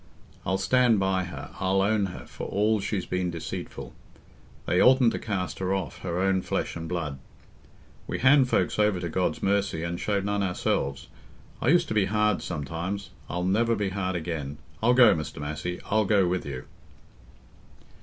I'll stand by her—I'll own her—for all she's been deceitful. They oughtn't to cast her off—her own flesh and blood. We hand folks over to God's mercy, and show none ourselves. I used to be hard sometimes: I'll never be hard again. I'll go, Mr. Massey—I'll go with you."